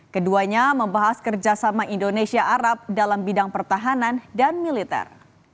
keduanya membahas kerjasama indonesia arab dalam bidang pertahanan dan militer